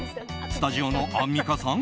スタジオのアンミカさん！